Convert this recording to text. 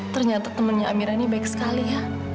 ternyata temannya amira ini baik sekali ya